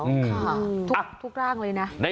ทุกร่างเลยนะ